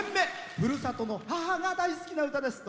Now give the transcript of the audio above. ふるさとの母が大好きな歌です。